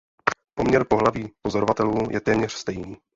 Poměr pohlaví pozorovatelů je téměř stejný.